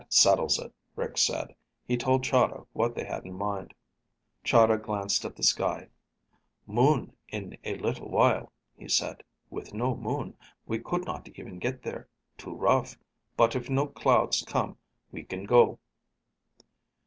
"That settles it," Rick said. He told Chahda what they had in mind. Chahda glanced at the sky. "Moon in a little while," he said. "With no moon, we could not even get there. Too rough. But if no clouds come, we can go."